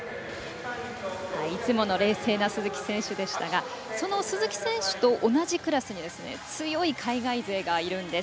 いつもの冷静な鈴木選手でしたがその鈴木選手と同じクラスに強い海外勢がいるんです。